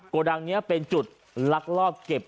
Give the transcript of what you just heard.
โกดังนี้เป็นจุดลักลอบเก็บ